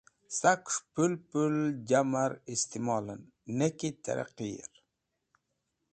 Skaes̃h pũl pũl jamar istimolẽn, ne ki tẽrẽqir